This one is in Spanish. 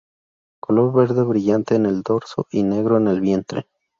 Color verde brillante en el dorso y negro en el vientre.